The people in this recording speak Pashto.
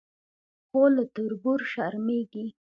خو له تربور شرمېږي.